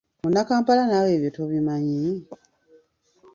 Munnakampala, naawe ebyo tobimanyi?